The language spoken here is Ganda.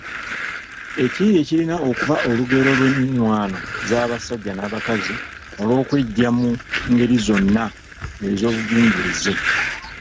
Ekiyiiye kirina okuba olugerero lw’ennwaano z’abasajja n’abakazi olw’okweggya mu ngeri zonna ez’obungigiriza.